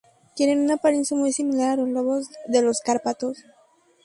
Tienen una apariencia muy similar a los lobos de los Cárpatos.